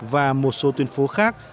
và một số tuyển phố khác